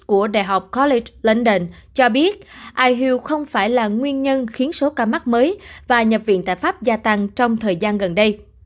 của đại học corly blandden cho biết ihu không phải là nguyên nhân khiến số ca mắc mới và nhập viện tại pháp gia tăng trong thời gian gần đây